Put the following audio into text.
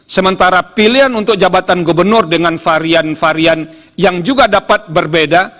sementara pilihan untuk jabatan gubernur dengan varian varian yang juga dapat berbeda